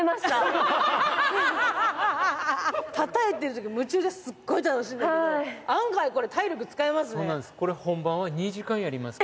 たたいてるとき夢中ですっごい楽しいんだけど案外これ体力使いますね。